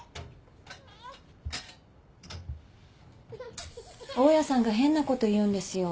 大家さんが変なこと言うんですよ。